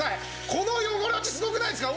この汚れ落ちすごくないですか？